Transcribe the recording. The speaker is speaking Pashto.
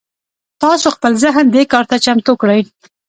تاسې خپل ذهن دې کار ته چمتو کړئ.